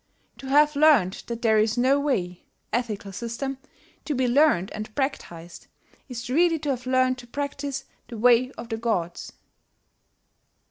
To have learned that there is no Way [ethical system] to be learned and practised, is really to have learned to practise the Way of the Gods."